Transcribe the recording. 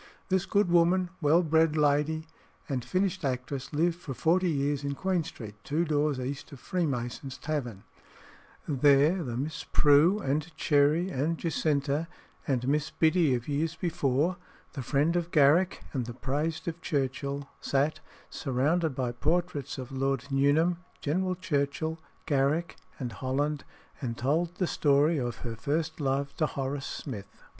This good woman, well bred lady, and finished actress, lived for forty years in Queen Street, two doors east of Freemasons' Tavern; there, the Miss Prue, and Cherry, and Jacinta, and Miss Biddy of years before, the friend of Garrick and the praised of Churchill, sat, surrounded by portraits of Lord Nuneham, General Churchill, Garrick, and Holland, and told the story of her first love to Horace Smith.